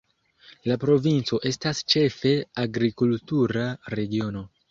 La provinco estas ĉefe agrikultura regiono.